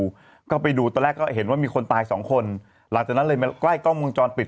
อยู่ก็ไปดูตอนแรกก็เห็นว่ามีคนตายสองคนหลังจากนั้นเลยมาใกล้กล้องวงจรปิด